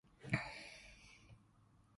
其實啫啫雞煲係乜嘢嚟